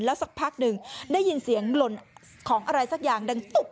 แล้วสักพักนึงได้ยินเสียงหล่นของอะไรสักอย่าง